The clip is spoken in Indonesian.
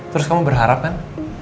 terus kamu berharap kan